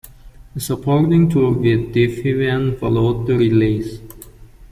A supporting tour with Deafheaven followed the release.